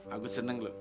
aku seneng loh